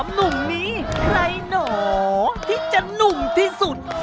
หนุ่มนี้ใครหนอที่จะหนุ่มที่สุด